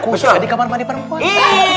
udah di kamar mandi perempuan